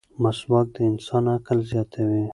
مسواک د انسان عقل زیاتوي.